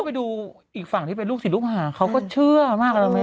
ก็ไปดูอีกฝั่งที่ไปลูกสิลูกหาเขาก็เชื่อมากแล้วแม่